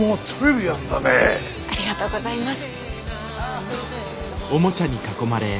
ありがとうございます。